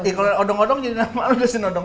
eh kalo ada odong odong jadi nama lo udah sinodong